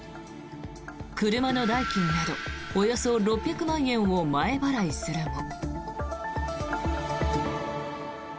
車の代金などおよそ６００万円を前払いするも。